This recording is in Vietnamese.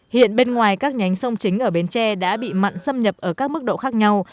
hiện bên ngoài các nhánh sông chính ở bến tre đã bị mặn xâm nhập ở các mức độ khác nhau